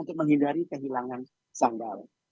untuk menghindari kehilangan sanggal